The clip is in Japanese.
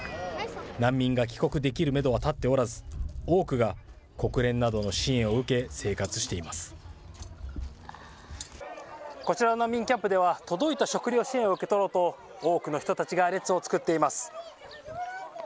難民が帰国できるメドは立っておらず、多くが国連などの支援を受こちらの難民キャンプでは、届いた食料支援を受け取ろうと、多くの人たちが列を作っています。